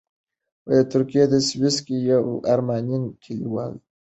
د ترکیې سیواس کې یې د ارمینیايي کلیوالو ذهني ځانګړتیاوې ناپوهې ګڼلې.